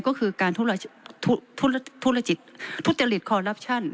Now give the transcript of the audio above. ก็คือการทุจริตคอลลัพชัน